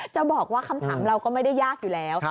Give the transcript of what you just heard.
จะบอกว่าคำถามเราก็ไม่ได้ยากอยู่แล้ว